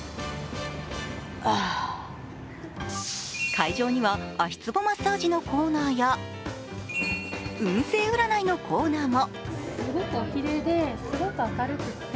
会場には、足つぼマッサージのコーナーや、運勢占いのコーナーも。